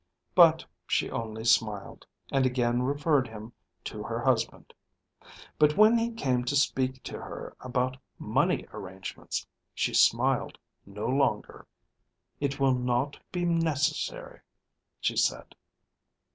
But she only smiled, and again referred him to her husband. But when he came to speak to her about money arrangements she smiled no longer. "It will not be necessary," she said.